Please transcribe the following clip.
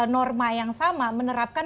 norma yang sama menerapkan